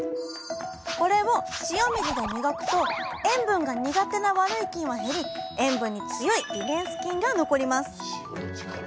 これを塩水で磨くと塩分が苦手な悪い菌は減り塩分に強いリネンス菌が残ります。